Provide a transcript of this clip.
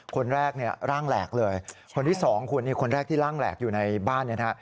คนแรกเนี่ยร่างแหลกเลยคนที่สองคุณนี่คนแรกที่ร่างแหลกอยู่ในบ้านเนี่ยนะฮะ